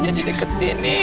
jadi deket sini